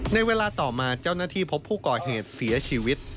ในเวลาต่อมาเจ้าหน้าที่พบผู้ก่อเหตุเสียชีวิต